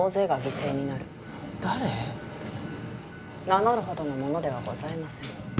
名乗るほどの者ではございません。